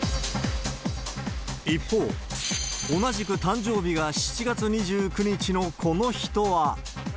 一方、同じく誕生日が７月２９日のこの人は。